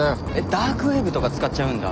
ダークウェブとか使っちゃうんだ。